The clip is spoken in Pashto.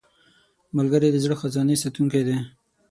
ملګری د زړه خزانې ساتونکی دی